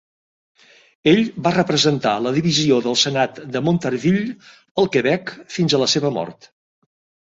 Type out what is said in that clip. Ell va representar la divisió del senat de Montarville, el Quebec, fins a la seva mort.